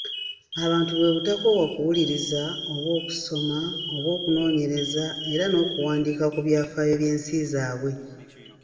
Abantu bwe butakoowa kuwuliriza, oba okusoma, oba okunoonyereza era n'okuwandiika ku byafaayo by'ensi zaabwe.